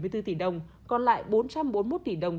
hai mươi bốn tỷ đồng còn lại bốn trăm bốn mươi một tỷ đồng